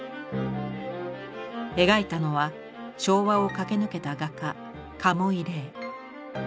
描いたのは昭和を駆け抜けた画家